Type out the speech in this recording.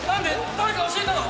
誰か教えたの？